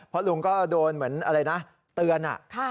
เพราะลุงก็โดนเหมือนเตือน